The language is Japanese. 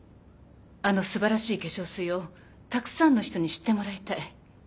あの素晴らしい化粧水をたくさんの人に知ってもらいたい。